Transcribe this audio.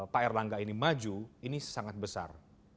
pak erlangga ini maju ini sangat besar